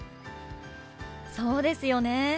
そうですよね。